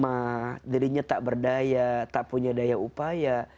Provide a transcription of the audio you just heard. menyadari bahwa dirinya lemah dirinya tak berdaya tak punya daya upaya